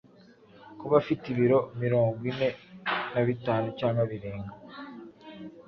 Kuba afite ibiro mirongo ine nabitanu cg birenga